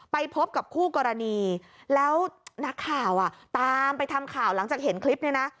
ไปพบกับคู่กรณีแล้วนักข่าวอ่ะตามไปทำข่าวหลังจากเห็นคลิปนี้นะ